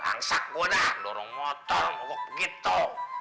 langsak gua dah dorong motor mogok begitu